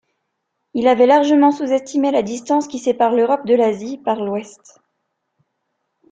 Il avait largement sous-estimé la distance qui sépare l'Europe de l'Asie par l'Ouest.